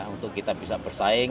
untuk kita bisa bersaing